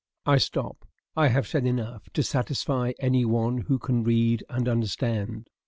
I stop. I have said enough to satisfy any one who can read and understand.